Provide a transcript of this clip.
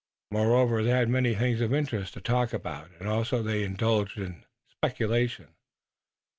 Moreover, they had many things of interest to talk about and also they indulged in speculation.